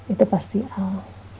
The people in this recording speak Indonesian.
itu pasti al